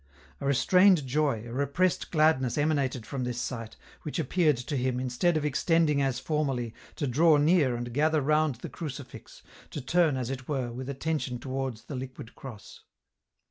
A restrained joy, a repressed gladness emanated from this site, which appeared to him, instead of extending as formerly, to draw near and gather round the crucifix, to turn, as it were, with attention towards the liquid cross.